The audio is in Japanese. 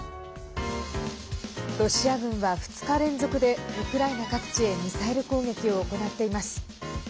ロシア軍は２日連続でウクライナ各地へミサイル攻撃を行っています。